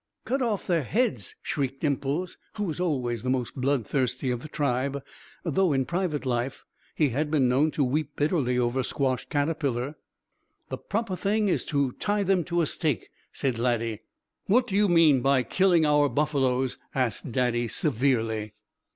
"Cut off their heads!" shrieked Dimples, who was always the most bloodthirsty of the tribe, though in private life he had been known to weep bitterly over a squashed caterpillar. "The proper thing is to tie them to a stake," said Laddie. "What do you mean by killing our buffaloes?" asked Daddy, severely.